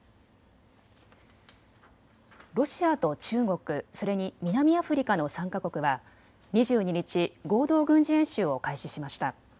ロシアと中国それに南アフリカの３か国は２２日、合同軍事演習を開始しました。